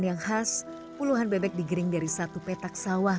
iya agak dungu ini lo yang netis kunjungialts shepherd village